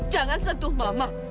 jangan sentuh mama